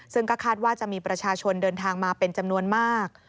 ซึ่งก็คาดว่าจะมีประชาชนเดินทางมาเป็นจำนวนมาก